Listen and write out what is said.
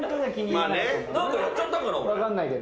何かやっちゃったかな、俺。